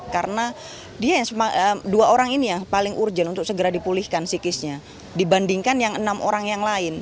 karena dua orang ini yang paling urjal untuk segera dipulihkan psikisnya dibandingkan yang enam orang yang lain